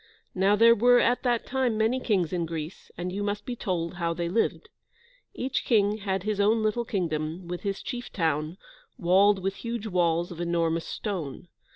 Now there were at that time many kings in Greece, and you must be told how they lived. Each king had his own little kingdom, with his chief town, walled with huge walls of enormous stone.